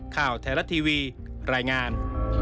สถานทีวีรายงาน